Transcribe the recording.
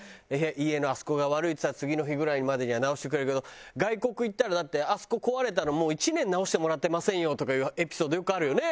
家のあそこが悪いっつったら次の日ぐらいまでには直してくれるけど外国行ったらだってあそこ壊れたらもう１年直してもらってませんよとかいうエピソードよくあるよね。